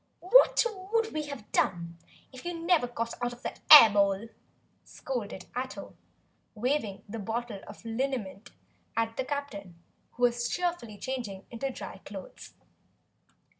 "What would WE have done if you'd never got out of that air bowl?" scolded Ato, waving the bottle of liniment at the Captain, who was cheerfully changing into dry clothes.